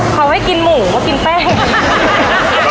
เขาให้กินหมูเขากินแป้ง